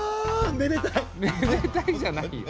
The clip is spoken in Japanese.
「めでたい」じゃないよ。